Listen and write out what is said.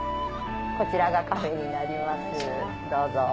こちらがカフェになりますどうぞ。